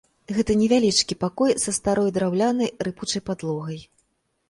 Гэта невялічкі пакой са старой драўлянай рыпучай падлогай.